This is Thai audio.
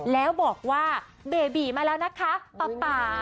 แล้วบอกว่าเบบีมาแล้วนะคะป๊า